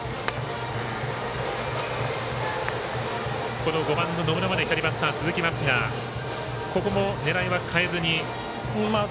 この５番の野村まで左バッターが続きますがここも狙いは変えずに。